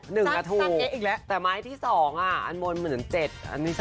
หนึ่งอัทูถ้าม้ายที่๒อ่านบนเหมือนของอันที่๔